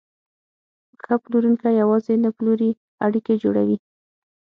ښه پلورونکی یوازې نه پلوري، اړیکې جوړوي.